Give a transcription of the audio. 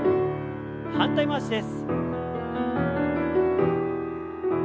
反対回しです。